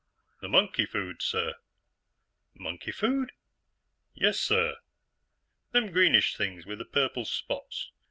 "The monkey food, sir." "Monkey food?" "Yessir. Them greenish things with the purple spots.